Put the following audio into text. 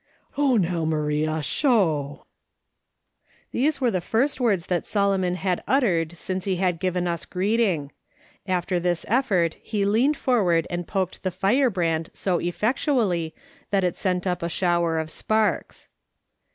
" Oh, now, Maria, sho !" These were the first words that Solomon had uttered since he had given us greeting. After this effort he leaned forward and poked the firebrand so effectually that it sent up a shower of sparks.